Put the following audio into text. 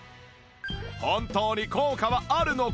本当に効果はあるのか？